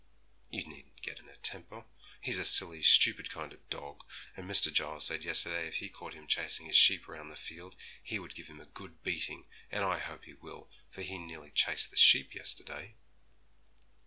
'You needn't get in a temper. He's a silly, stupid kind of a dog, and Mr. Giles said yesterday if he caught him chasing his sheep round the field, he would give him a good beating; and I hope he will, for he nearly chased the sheep yesterday.'